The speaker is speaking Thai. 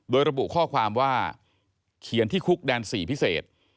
โดยระบุข้อความว่าเขียนที่คุกแดน๔พิเศษ